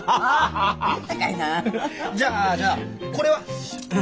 じゃあじゃあこれは？